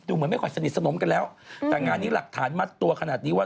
เหมือนไม่ค่อยสนิทสนมกันแล้วแต่งานนี้หลักฐานมัดตัวขนาดนี้ว่า